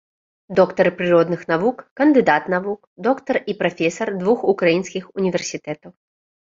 Доктар прыродных навук, кандыдат навук, доктар і прафесар двух украінскіх універсітэтаў.